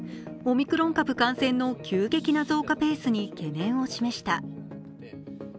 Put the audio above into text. オミクロン株感染の急激な増加ペースに懸念を示した。